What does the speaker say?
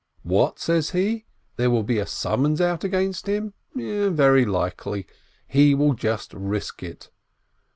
What, says he, there will be a summons out against him ? Very likely ! He will just risk it.